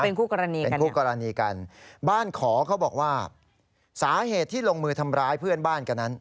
เป็นคู่กรณีกันบ้านขอก็บอกว่าสาเหตุที่ลงมือทำร้ายเพื่อนบ้านกันนั้น